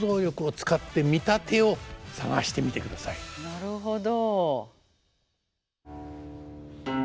なるほど。